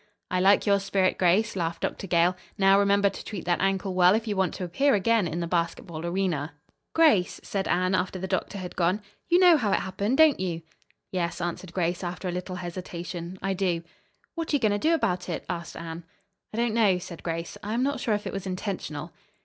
"I like your spirit, Grace," laughed Dr. Gale. "Now, remember to treat that ankle well if you want to appear again in the basketball arena." "Grace," said Anne, after the doctor had gone. "You know how it happened, don't you?" "Yes," answered Grace, after a little hesitation. "I do." "What are you going to do about it?" asked Anne. "I don't know," said Grace. "I am not sure it was intentional."